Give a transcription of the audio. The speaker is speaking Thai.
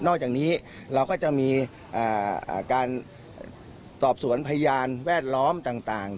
อกจากนี้เราก็จะมีการสอบสวนพยานแวดล้อมต่าง